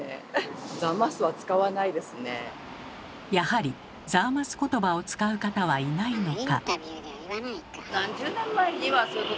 やはり「ザーマス言葉」を使う方はいないのか？